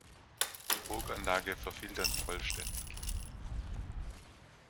Die Burganlage verfiel dann vollständig.